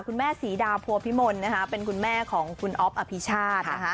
คุณแม่สีดาพัวพิมลเป็นคุณแม่ของคุณอ๊อฟอภิชาติ